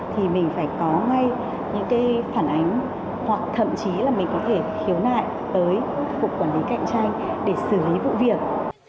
thì mình phải có ngay những cái phản ánh hoặc thậm chí là mình có thể khiếu nại tới cục quản lý cạnh tranh để xử lý vụ việc